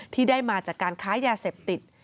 ที่ได้มาจากการค้ายาเสพติด